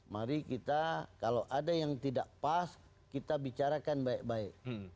mari kita kalau ada yang tidak pas kita bicarakan baik baik